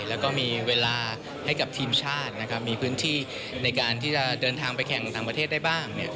แล้วก็มีเวลาให้กับทีมชาตินะครับมีพื้นที่ในการที่จะเดินทางไปแข่งต่างประเทศได้บ้าง